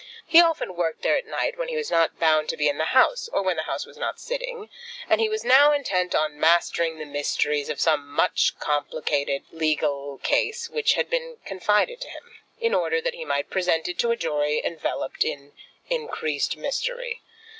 He often worked there at night when he was not bound to be in the House, or when the House was not sitting, and he was now intent on mastering the mysteries of some much complicated legal case which had been confided to him, in order that he might present it to a jury enveloped in increased mystery.